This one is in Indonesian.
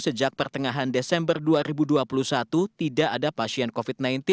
sejak pertengahan desember dua ribu dua puluh satu tidak ada pasien covid sembilan belas